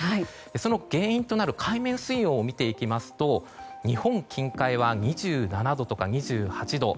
その原因となる海面水温を見ていきますと日本近海は２７度とか２８度。